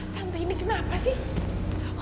tante ini kenapa sih